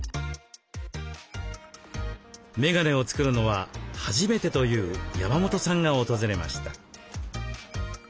メガネを作るのは初めてという山本さんが訪れました。